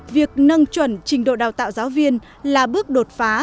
việc nâng chuẩn trình độ đào tạo giáo viên là bước đột phá